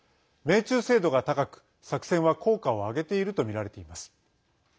命中精度が高く、作戦は効果を上げているとみられています。